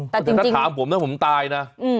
แต่ถ้าถามผมนะผมตายนะ